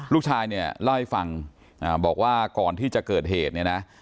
ลูกชายเล่าให้ฟังบอกว่าก่อนที่จะเกิดเหตุ